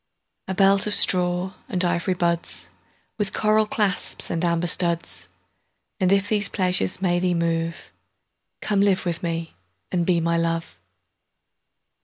A belt of straw and ivy budsWith coral clasps and amber studs:And if these pleasures may thee move, Come live with me and be my Love.